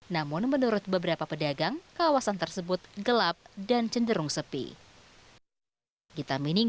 namun menurut beberapa pedagang kawasan tersebut gelap dan cenderung sepi